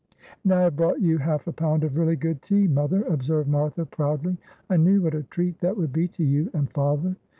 "And I have brought you half a pound of really good tea, mother," observed Martha, proudly. "I knew what a treat that would be to you and father."